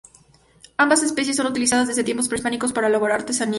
Ambas especies son utilizadas desde tiempos prehispánicos para elaborar artesanías.